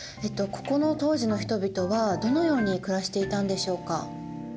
ここの当時の人々はどのように暮らしていたんでしょうか。